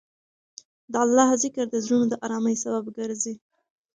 د الله ذکر د زړونو د ارامۍ سبب ګرځي.